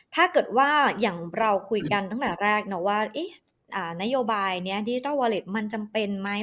ถ้าเกิดว่าอย่างเราคุยกันตั้งแต่แรกนะว่านโยบายนี้ดิจิทัลวอเล็ตมันจำเป็นไหม